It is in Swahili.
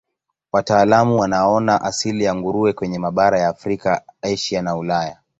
Wataalamu wanaona asili ya nguruwe kwenye mabara ya Afrika, Asia na Ulaya.